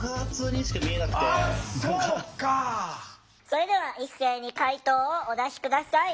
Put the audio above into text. それでは一斉に解答をお出し下さい。